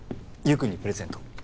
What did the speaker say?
君にプレゼント